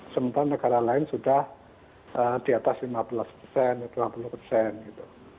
sementara negara lain sudah di atas lima belas persen delapan puluh persen gitu